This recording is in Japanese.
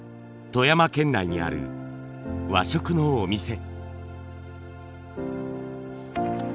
富山県内にある和食のお店。